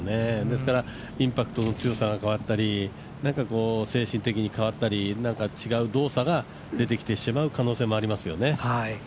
だから、インパクトの強さが変わったり、精神的に変わったり、なんか違う動作が出てきてしまう可能性がありますよね。